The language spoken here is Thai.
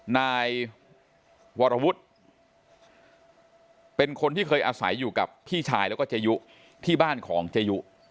นายวรวุฒิเป็นคนที่เคยอาศัยอยู่กับพี่ชายแล้วก็เจยุที่บ้านของเจยุ